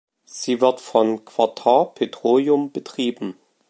Sie wird von Qatar Petroleum betrieben.